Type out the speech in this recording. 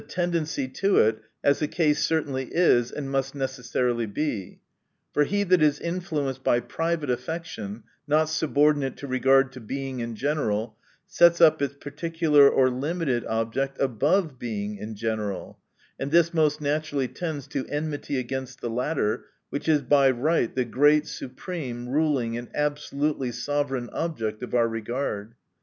tendency to it as the case certainly is, and must necessarily be. For he that is influenced by private affection, not subordinate to regard to Being in general, sets up its particular or limited object above Being in general ; and this most naturally tends to enmity against the latter, which is by right the great supreme, ruling, and absolutely sovereign object of our regard.